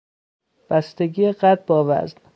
بستگی قد با وزن